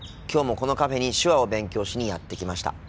今日もこのカフェに手話を勉強しにやって来ました。